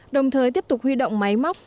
đồng thời tiếp tục huy động máy móc